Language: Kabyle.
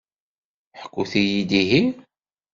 Ḥkut-iyi-d ihi.